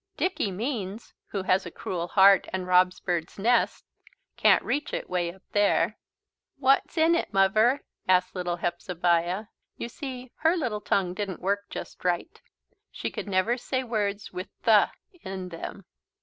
Dicky Means, who has a cruel heart and robs birds' nests, can't reach it way up there!" "What's in it, Muvver?" asked little Hepzebiah. You see her little tongue didn't work just right. She never could say words with "th" in them.